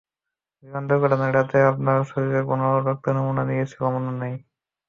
বিমান দূর্ঘটনার রাতে আপনার শরীর থেকে রক্তের নমুনা নিয়েছিল মনে নেই?